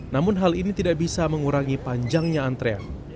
namun hal ini tidak bisa mengurangi panjangnya antrean